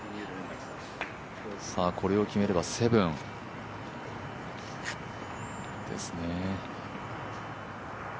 これを決めれば７ですね。